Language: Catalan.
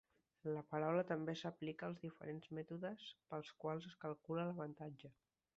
La paraula també s'aplica als diferents mètodes pels quals es calcula l'avantatge.